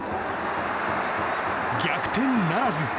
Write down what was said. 逆転ならず。